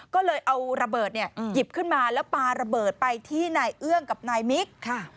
ก็เลยเอาระเบิดหยิบขึ้นมาแล้วปลาระเบิดไปที่นายเอื้องกับนายมิก